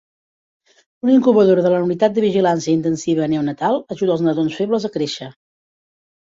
Una incubadora de la unitat de vigilància intensiva neonatal ajuda els nadons febles a créixer.